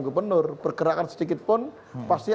gubernur pergerakan sedikit pun pasti